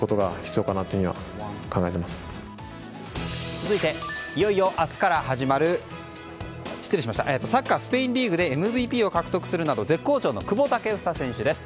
続いて、サッカースペインリーグでＭＶＰを獲得するなど絶好調の久保建英選手です。